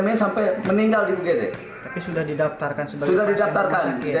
mau sepuluh kali lipat juga saya bayar pak